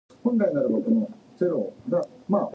Further expansion of the city limits was part of a long effort.